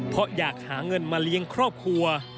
เพราะอยากหาเงินมาเลี้ยงครอบครัว